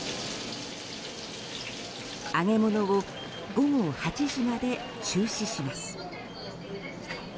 揚げ物を午後８時まで中止します。